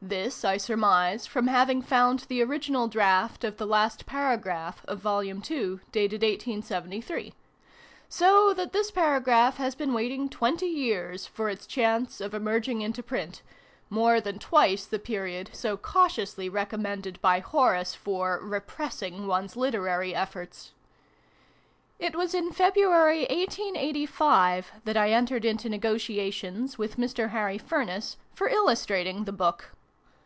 This I surmise, from having found the original draft of the last paragraph of Vol. II., dated 1873. So that this paragraph has been waiting 20 years for its chance of emerging into print more than twice the period so cautiously recommended by Horace for ' repressing ' one's literary efforts ! It was in February, 1885, that I entered into nego tiations, with Mr. Harry Furniss, for illustrating the book.